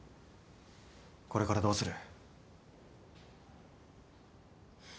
これからどうする。